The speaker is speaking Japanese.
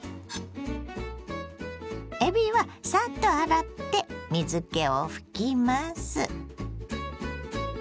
えびはサッと洗って水けを拭きます。